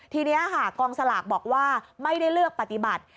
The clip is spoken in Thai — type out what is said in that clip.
ทีนี้ค่ะกองสลากบอกว่าไม่ได้เลือกปฏิบัติ